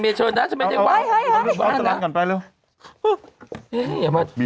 ไม่สนนะไม่สนนะเออไปเมชิวอลนั้นเออเอ้ย